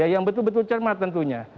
yang betul betul cermat tentunya